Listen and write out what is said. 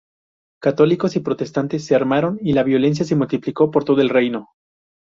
Católicos y protestantes se armaron, y la violencia se multiplicó por todo el reino.